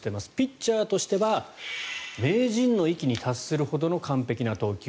ピッチングとしては名人の域に達するほどの完璧な投球